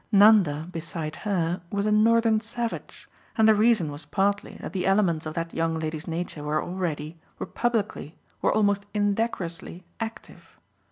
Nanda, beside her, was a Northern savage, and the reason was partly that the elements of that young lady's nature were already, were publicly, were almost indecorously active.